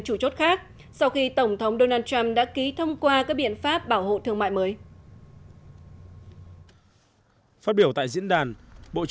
thưa quý vị một đồng đô la mỹ yếu hơn sẽ có lợi ích